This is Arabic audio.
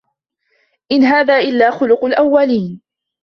إِن هذا إِلّا خُلُقُ الأَوَّلينَ